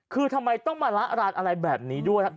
คือทำไมต้องมาละร้านอะไรแบบนี้ด้วย